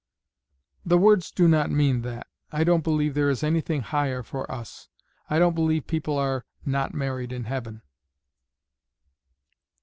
"The words do not mean that. I don't believe there is anything higher for us. I don't believe people are not married in heaven."